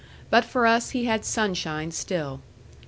But for us he had sunshine still.